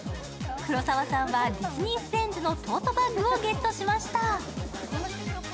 黒沢さんはディズニーフレンドのトートバッグをゲットしました。